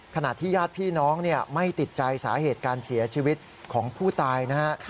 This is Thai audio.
ขณะที่ญาติพี่น้องไม่ติดใจสาเหตุการเสียชีวิตของผู้ตายนะฮะ